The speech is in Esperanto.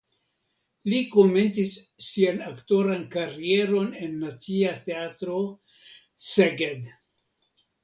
Li komencis sian aktoran karieron en Nacia Teatro (Szeged).